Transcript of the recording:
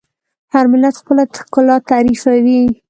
هر ملت خپله ښکلا تعریفوي.